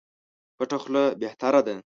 پټه خوله بهتره ده.